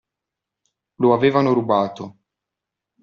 Lo avevano rubato.